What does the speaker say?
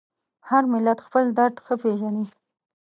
هر ملت خپل درد ښه پېژني.